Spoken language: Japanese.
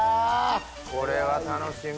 これは楽しみ。